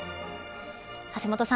橋下さん